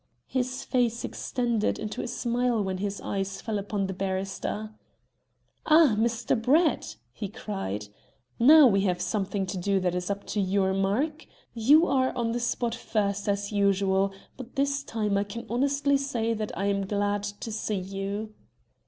His face extended into a smile when his eyes fell upon the barrister. "Ah, Mr. Brett," he cried. "Now we have something to do that is up to your mark. You are on the spot first, as usual, but this time I can honestly say that I am glad to see you."